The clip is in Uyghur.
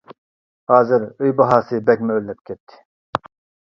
ھازىر ئۆي باھاسى بەكمۇ ئۆرلەپ كەتتى.